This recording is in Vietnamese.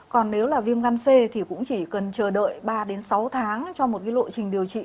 còn nếu là viêm gan c thì cũng chỉ cần chờ đợi ba sáu tháng cho một cái lộ trình điều trị